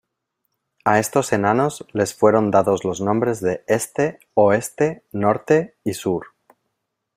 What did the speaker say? A estos enanos les fueron dados los nombres de Este, Oeste, Norte y Sur.